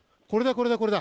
これだ、これだ。